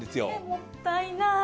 もったいない。